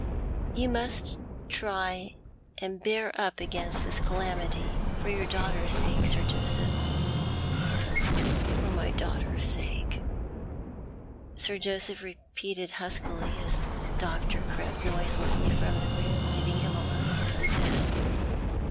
" You must try and bear up against this calamity, for your daughter's sake, Sir Joseph." "For my daughter's sake!" Sir Joseph repeated huskily, as the doctor crept noiselessly from the room, leaving him alone with the dead.